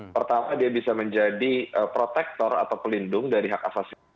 pertama dia bisa menjadi protektor atau pelindung dari hak asasi